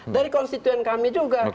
dari konstituen kami juga